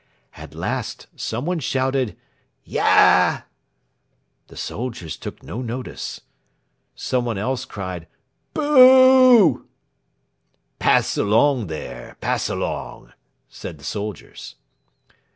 At last somebody shouted "Yah!" The soldiers took no notice. Somebody else cried "Booh!"' "Pass along there, pass along!" said the soldiers.